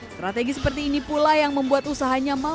strategi seperti ini pula yang membuat usahanya mampu